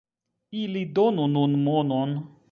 Ili donu nun monon.